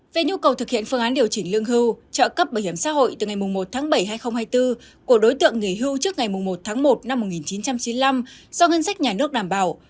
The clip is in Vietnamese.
về nhu cầu thực hiện phương án điều chỉnh lương hưu trợ cấp bảo hiểm xã hội từ ngày một tháng bảy hai nghìn hai mươi bốn của đối tượng nghỉ hưu trước ngày một tháng một năm một nghìn chín trăm chín mươi năm do ngân sách nhà nước đảm bảo